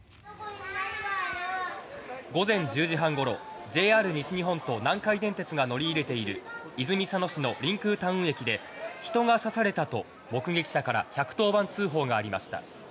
午前１０時半ごろＪＲ西日本と南海電鉄が乗り入れている泉佐野市のりんくうタウン駅で人が刺されたと目撃者から１１０番通報がありました。